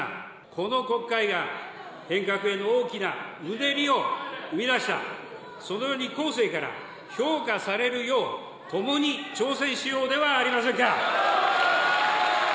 この国会が変革への大きなうねりを生み出した、そのように後世から評価されるよう、ともに挑戦しようではありませんか。